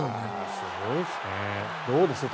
すごいですね。